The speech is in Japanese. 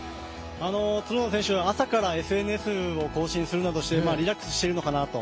朝からＳＮＳを更新するなどしてリラックスしているのかなと。